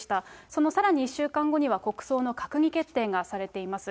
そのさらに１週間後には、国葬の閣議決定がされています。